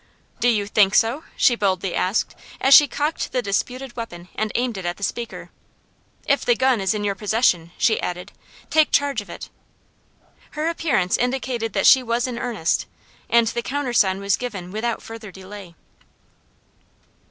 "Do you think so," she boldly asked, as she cocked the disputed weapon and aimed it at the speaker. "If the gun is in your possession," she added, "take charge of it!" Her appearance indicated that she was in earnest, and the countersign was given without further delay.